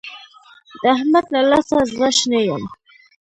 د احمد له لاسه زړه شنی يم.